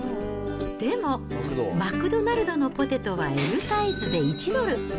でもマクドナルドのポテトはＬサイズで１ドル。